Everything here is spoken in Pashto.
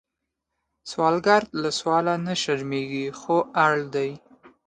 سوالګر له سوال نه شرمېږي، خو اړ دی